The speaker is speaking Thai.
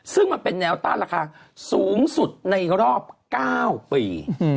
ซึ่งมันเป็นแนวต้านราคาสูงสุดในรอบ๙ปี